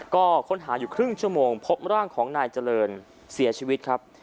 ก็ค้นหาอยู่ครึ่งชั่วโมงพบร่างของนายเจริญเสียชีวิตครับ